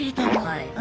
はい。